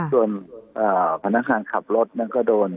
ส่วนพนักงานขับรถนั้นก็โดน